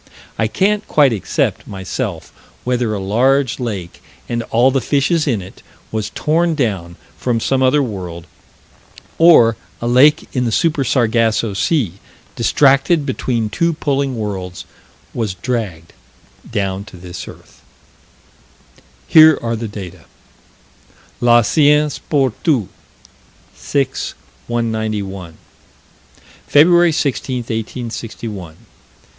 I can't quite accept, myself, whether a large lake, and all the fishes in it, was torn down from some other world, or a lake in the Super Sargasso Sea, distracted between two pulling worlds, was dragged down to this earth Here are the data: La Science Pour Tous, 6 191: Feb. 16, 1861.